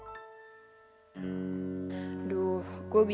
taktiknya ini dia yang paling baik